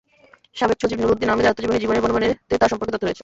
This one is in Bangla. সাবেক সচিব নূরুদ্দিন আহমদের আত্মজীবনী জীবনের বনে বনে-তে তাঁর সম্পর্কে তথ্য রয়েছে।